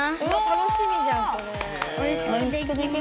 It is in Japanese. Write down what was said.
楽しみじゃんこれ。